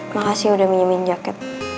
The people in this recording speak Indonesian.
makasih udah minyamin jaket